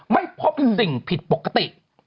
ไม่พบสิ่งผิดปกติ